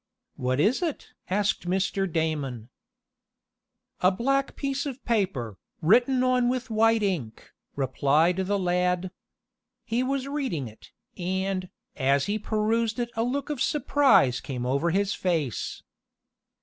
"What is it?" asked Mr. Damon. "A black piece of paper, written on with white ink," replied the lad. He was reading it, and, as he perused it a look of surprise came over his face.